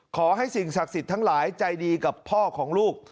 ขอให้สิ่งศักดิ์สิทธิ์ทั้งหลายใจดีกับพ่อของลูก